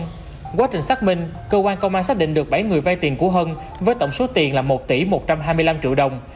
trong quá trình xác minh cơ quan công an xác định được bảy người vay tiền của hân với tổng số tiền là một tỷ một trăm hai mươi năm triệu đồng